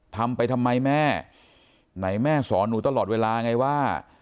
ทำไปทำไมแม่ไหนแม่สอนหนูตลอดเวลาไงว่า